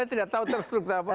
saya tidak tahu terstruktur apa